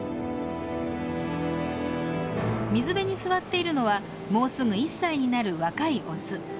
水辺に座っているのはもうすぐ１歳になる若いオス。